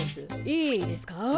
いいですかあ？